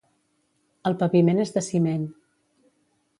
El paviment és de ciment.